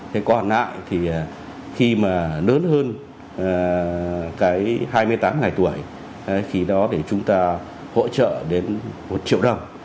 thế còn lại thì khi mà lớn hơn cái hai mươi tám ngày tuổi khi đó thì chúng ta hỗ trợ đến một triệu đồng